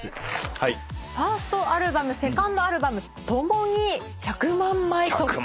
ファーストアルバムセカンドアルバム共に１００万枚突破。